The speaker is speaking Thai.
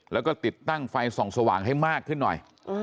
แล้วก็ติดตั้งไฟส่องสว่างให้มากขึ้นหน่อย